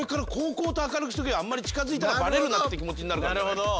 なるほど！